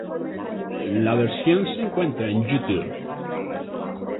La versión se encuentra en YouTube.